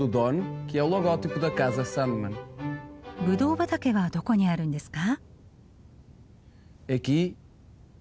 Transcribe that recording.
ぶどう畑はどこにあるんですか？